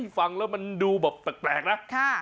ฟังแล้วมันดูแบบแปลกนะ